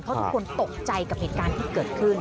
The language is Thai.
เพราะทุกคนตกใจกับเหตุการณ์ที่เกิดขึ้น